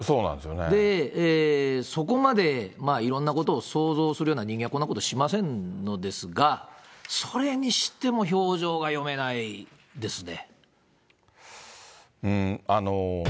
で、そこまでいろんなことを想像するような人間はこんなことしませんですが、それにしても表情が読めないですね。